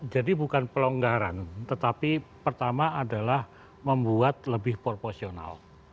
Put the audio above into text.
jadi bukan pelonggaran tetapi pertama adalah membuat lebih proporsional